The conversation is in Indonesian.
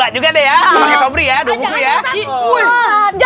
juga ya juga